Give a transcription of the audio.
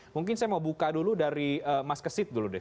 mungkin saya mau buka dulu dari mas kesit dulu deh